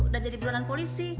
dan jadi berulangan polisi